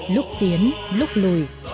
lúc tiến lúc lùi